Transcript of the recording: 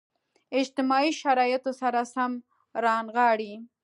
اجتماعي شرایطو سره سم رانغاړي.